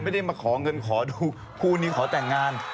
ไม่ได้มาขอเงินขอดูคู่นี้ขอแต่งงาน